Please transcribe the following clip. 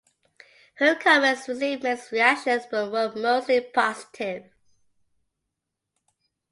Her comments received mixed reactions but were mostly positive.